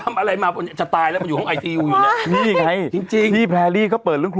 ไม่ฉันนอนติดฉันนอนดึก